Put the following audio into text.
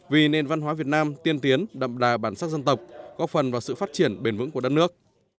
vì nền văn hóa việt nam tiên tiến đậm đà bản sắc dân tộc góp phần vào sự phát triển bền vững của đất nước